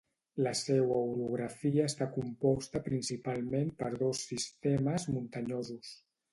La seua orografia està composta principalment per dos sistemes muntanyosos